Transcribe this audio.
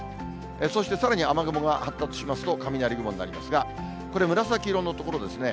そしてさらに雨雲が発達しますと、雷雲になりますが、これ、紫色の所ですね。